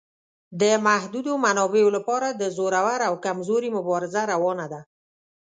د محدودو منابعو لپاره د زورور او کمزوري مبارزه روانه ده.